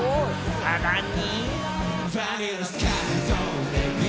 さらに。